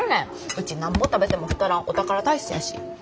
ウチなんぼ食べても太らんお宝体質やし。